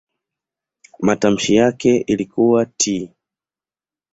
Matamshi yake ilikuwa "t".